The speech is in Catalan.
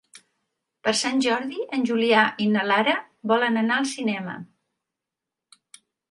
Per Sant Jordi en Julià i na Lara volen anar al cinema.